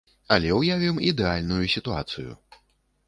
Але ўявім ідэальную сітуацыю.